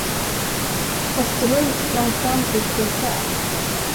Österlund sprang fram till sin säl.